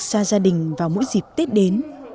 xa gia đình vào mỗi dịp tết đến